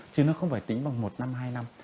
chứ nó không phải tính bằng một năm hai năm